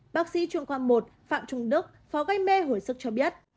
bác sĩ chuyên khoa một phạm trung đức phó gây mê hồi sức cho biết